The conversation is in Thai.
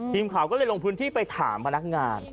ทีมข่าวก็เลยลงพื้นที่ไปถามพนักงาน